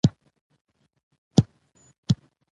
د اختر مبارکیانو سره خوند کوي